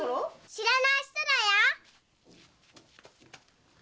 知らない人だよ！